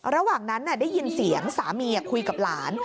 ระหว่างนั้นได้ยินเสียงสามีคุยกับหลาน